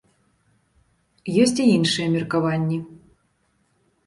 Ёсць і іншыя меркаванні.